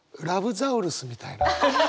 ザウルスみたいな。